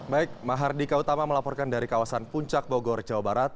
baik mahardika utama melaporkan dari kawasan puncak bogor jawa barat